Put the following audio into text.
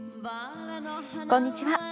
こんにちは。